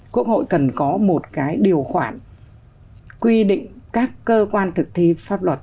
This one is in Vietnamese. quốc hội cần có một điều khoản quy định các cơ quan thực thi pháp luật